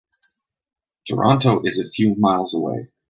Toronto is a few miles away.